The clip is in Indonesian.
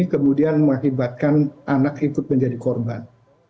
kemudian mengakibatkan anak ikut menjadi korban